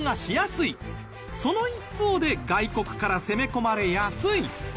その一方で外国から攻め込まれやすい。